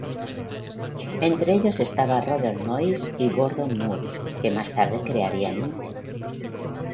Entre ellos estaban Robert Noyce y Gordon Moore que más tarde crearían Intel.